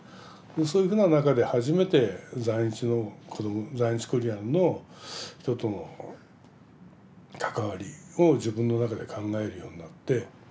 そういうふうな中で初めて在日コリアンの人との関わりを自分の中で考えるようになって。